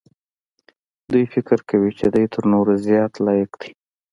دی فکر کوي چې دی تر نورو زیات لایق دی.